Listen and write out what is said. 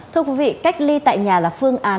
thưa quý vị cách ly tại nhà là phương án